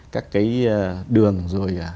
các cái đường rồi